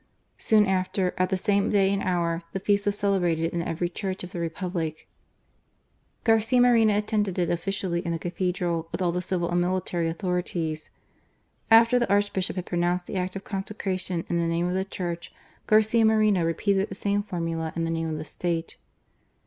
Soon after, at the same day and hour, the feast was celebrated in every church of the Republic. THE TRUE CHRISTIAN. 277 Garcia Moreno attended it officially in the Cathedral, with all the civil and military authorities. After the Archbishop had pronounced the Act of Consecration in the name of the Church, Garcia Moreno repeated the same formula in the name of the State.